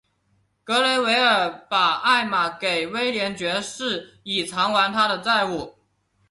格雷维尔把艾玛给威廉爵士以偿还他的债务。